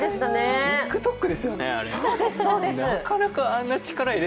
ＴｉｋＴｏｋですよね、あれ。